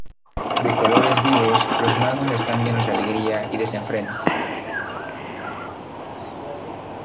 De colores vivos, los majos están llenos de alegría y desenfreno.